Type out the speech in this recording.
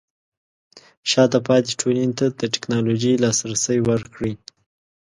شاته پاتې ټولنې ته د ټیکنالوژۍ لاسرسی ورکړئ.